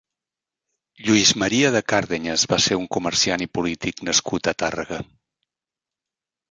Lluís Maria de Cardeñas va ser un comerciant i polític nascut a Tàrrega.